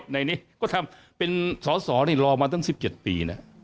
ในนี้ก็ทำเป็นสสรอมาตั้ง๑๗ปี